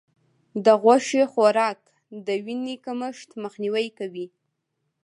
د غوښې خوراک د وینې کمښت مخنیوی کوي.